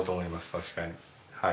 確かにはい。